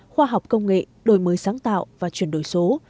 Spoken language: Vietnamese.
khoa học công nghệ đổi mới sáng tạo và chuyển đổi số